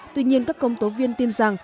tuy nhiên các công tố viên tin rằng